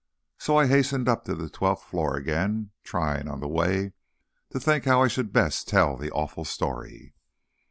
So I hastened up to the twelfth floor again, trying, on the way, to think how I should best tell the awful story.